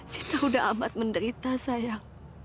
sita udah amat menderita sayang